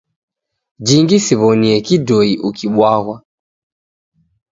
Jingi siw'onie kidoi ukibwaghwa.